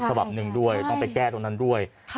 สภาพหนึ่งด้วยใช่ต้องไปแก้ตรงนั้นด้วยค่ะ